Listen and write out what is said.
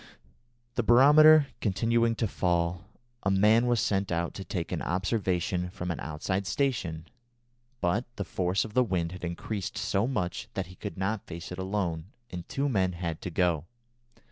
The barometer continuing to fall, a man was sent out to take an observation from an outside station, but the force of the wind had increased so much that he could not face it alone, and two men had to go.